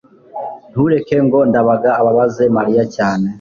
ntureke ngo ndabaga ababaza mariya cyane